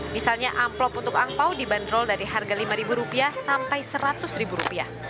misalnya amplop untuk angpau dibanderol dari harga lima rupiah sampai seratus rupiah